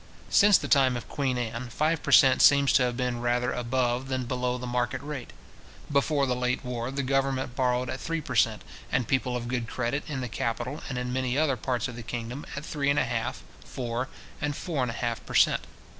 Since the time of Queen Anne, five per cent. seems to have been rather above than below the market rate. Before the late war, the government borrowed at three per cent.; and people of good credit in the capital, and in many other parts of the kingdom, at three and a half, four, and four and a half per cent.